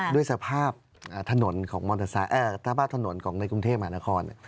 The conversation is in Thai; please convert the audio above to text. ด้วยสภาพถนนของกรุงเทพมหานคร